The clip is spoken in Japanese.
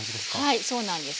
はいそうなんです。